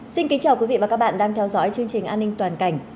xin kính chào quý vị và các bạn đang theo dõi chương trình an ninh toàn cảnh